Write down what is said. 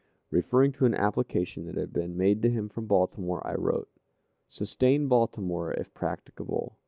Referring to an application that had been made to him from Baltimore, I wrote: "Sustain Baltimore if practicable.